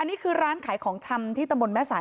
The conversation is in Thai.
นี่คือร้านขายของชำที่ตำบลแม่สาย